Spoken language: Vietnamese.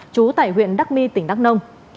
chú tại huyện đắk my tỉnh đắk nông